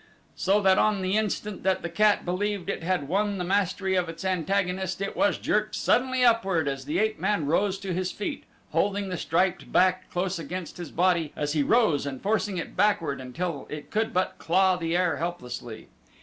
So that on the instant that the cat believed it had won the mastery of its antagonist it was jerked suddenly upward as the ape man rose to his feet, holding the striped back close against his body as he rose and forcing it backward until it could but claw the air helplessly.